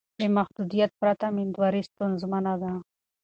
له محدودیت پرته میندواري ستونزمنه وي.